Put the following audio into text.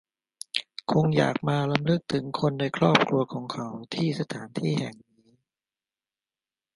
คงอยากมารำลึกถึงคนในครอบครัวของเขา ที่สถานที่แห่งนี้